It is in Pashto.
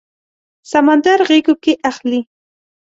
سمندر غیږو کې اخلي